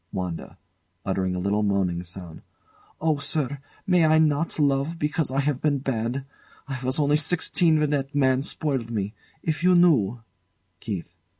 WANDA. [Uttering a little moaning sound] Oh, sir! May I not love, because I have been bad? I was only sixteen when that man spoiled me. If you knew KEITH.